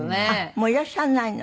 もういらっしゃらないの？